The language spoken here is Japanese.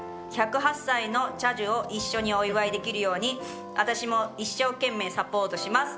１０８歳の茶寿を一緒にお祝いできるように私も一生懸命サポートします。